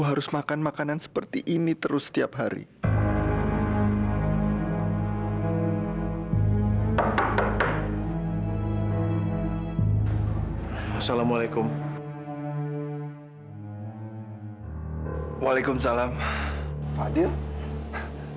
harusnya tante berterima kasih sama mila